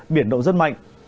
biển động rất mạnh